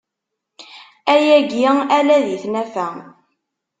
Ayagi ala di tnafa.